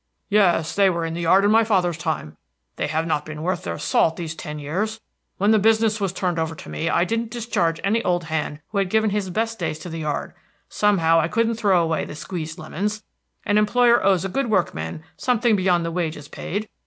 "Yes, they were in the yard in my father's time; they have not been worth their salt these ten years. When the business was turned over to me I didn't discharge any old hand who had given his best days to the yard. Somehow I couldn't throw away the squeezed lemons. An employer owes a good workman something beyond the wages paid."